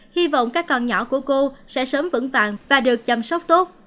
hy vọng các con nhỏ của cô sẽ sớm vững vàng và được chăm sóc tốt